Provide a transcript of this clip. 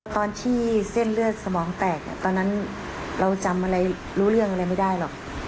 ตอนที่เส้นเลือดสมองแตกตอนนั้นเราจำอะไรรู้เรื่องอะไรไม่ได้หรอก